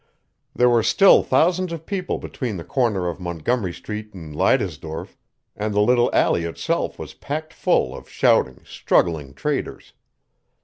There were still thousands of people between the corner of Montgomery Street and Leidesdorff, and the little alley itself was packed full of shouting, struggling traders.